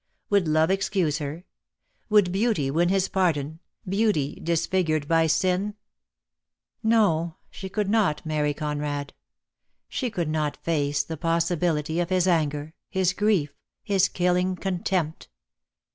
Would love excuse her? Would beauty win his pardon, beauty disfigured by sin? DEAD LOVE HAS CHAINS. 26 1 No, she could not marry Conrad. She could not face the possibility of his anger, his grief, his killing contempt.